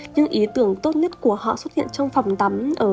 những ý tưởng tốt nhất của họ xuất hiện trong phòng tắm ở cả nhiệt độ ấm hơn